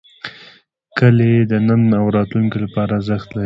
کلي د نن او راتلونکي لپاره ارزښت لري.